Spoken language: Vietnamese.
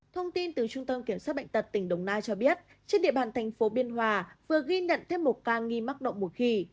thông tin từ trung tâm kiểm soát bệnh tật tỉnh đồng nai cho biết trên địa bàn thành phố biên hòa vừa ghi nhận thêm một ca nghi mắc động một khỉ